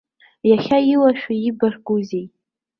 Иахьа илашәу ибаргәузеи.